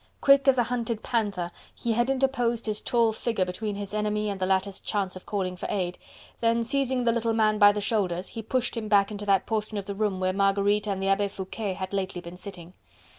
Quick as a hunted panther, he had interposed his tall figure between his enemy and the latter's chance of calling for aid, then, seizing the little man by the shoulders, he pushed him back into that portion of the room where Marguerite and the Abbe Foucquet had been lately sitting.